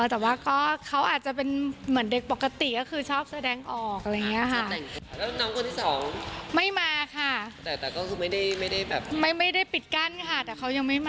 แต่ว่าเค้าอาจจะเป็นเด็กปกติก็ชอบแสดงออก